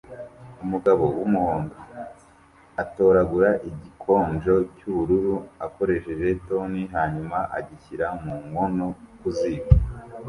Umugabo wumuhondo atoragura igikonjo cyubururu akoresheje toni hanyuma agishyira mu nkono ku ziko